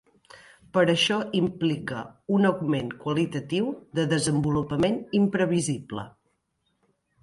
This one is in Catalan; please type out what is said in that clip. Per això implica un augment qualitatiu de desenvolupament imprevisible.